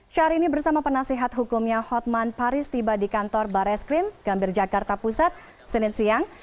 syahrini bersama penasihat hukumnya hotman paris tiba di kantor bareskrim gambir jakarta pusat senin siang